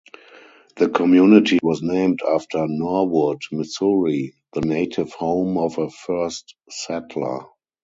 The community was named after Norwood, Missouri, the native home of a first settler.